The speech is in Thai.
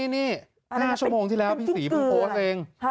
นี่๕ชั่วโมงที่แล้วพี่ศรีเพิ่งโพสต์เอง